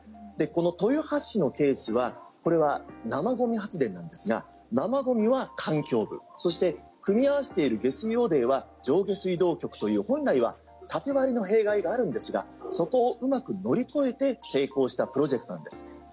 豊橋市のケースは生ゴミ発電なんですが生ゴミは環境部そして組み合わせている下水汚泥は上下水道局という、本来は縦割りの弊害があるんですがそこをうまく乗り越えて成功したプロジェクトなんです。